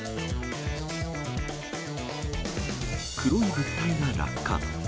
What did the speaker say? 黒い物体が落下。